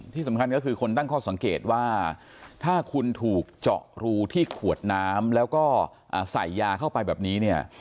ที่สำคัญก็คือคนตั้งข้อสังเกตว่าถ้าคุณถูกเจาะรูที่ขวดน้ำแล้วก็ใส่ยาเข้าไปแบบนี้เนี่ย